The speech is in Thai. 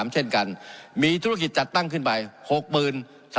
เช่นกันมีธุรกิจจัดตั้งขึ้นไป